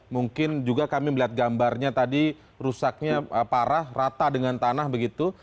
mungkin juga kami melihat gambarnya tadi rusaknya parah rata dengan tanah begitu